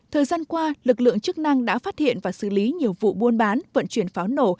thời gian qua lực lượng chức năng đã phát hiện và xử lý nhiều vụ buôn bán vận chuyển pháo nổ